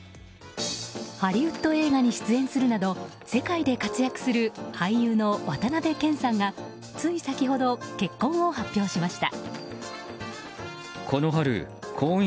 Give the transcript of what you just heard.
ハリウッド映画に出演するなど世界で活躍する俳優の渡辺謙さんがつい先ほど、結婚を発表しました。